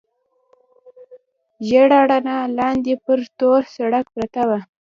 ژېړه رڼا، لاندې پر تور سړک پرته وه.